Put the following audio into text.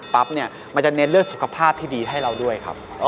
เนี่ยมันจะเน้นเรื่องสุขภาพที่ดีให้เราด้วยครับ